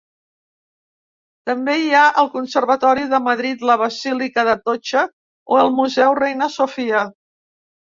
També hi ha el Conservatori de Madrid, la Basílica d'Atocha o el Museu Reina Sofia.